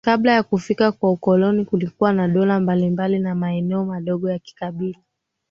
Kabla ya kufika kwa ukoloni kulikuwa na dola mbalimbali na maeneo madogo ya kikabila